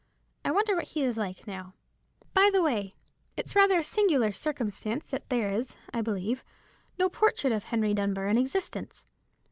I wonder what he is like, now. By the way, it's rather a singular circumstance that there is, I believe, no portrait of Henry Dunbar in existence.